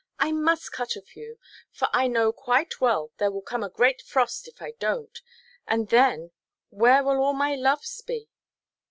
I must cut a few, for I know quite well there will come a great frost if I donʼt, and then where will all my loves be?"